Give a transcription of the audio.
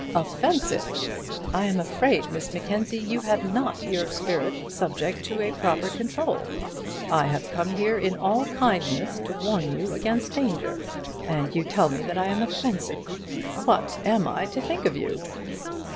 "Offensive! I am afraid, Miss Mackenzie, you have not your spirit subject to a proper control. I have come here in all kindness to warn you against danger, and you tell me that I am offensive! What am I to think of you?"